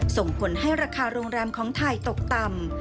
ส่งผลให้ราคาโรงแรมของไทยตกต่ำ